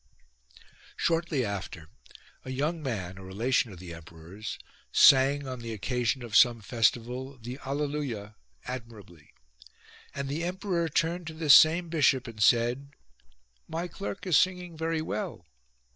19. Shortly after a young man, a relation of the emperor's, sang, on the occasion of some festival, the Allelulia admirably : and the Emperor turned to this same bishop and said :" My clerk is singing very well."